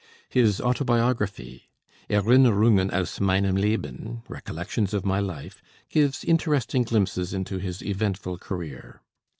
His autobiography, 'Erinnerungen aus Meinem Leben' (Recollections of my Life), gives interesting glimpses into his eventful career.